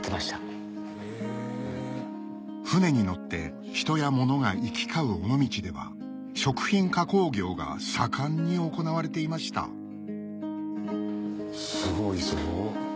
船にのって人や物が行き交う尾道では食品加工業が盛んに行われていましたすごいぞ。